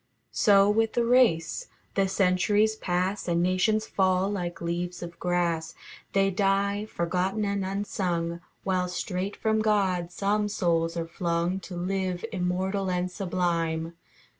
So with the race. The centuries pass And nations fall like leaves of grass. They die, forgotten and unsung; While straight from God some souls are flung, To live immortal and sublime.